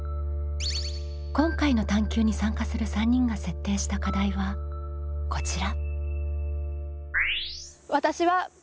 今回の探究に参加する３人が設定した課題はこちら。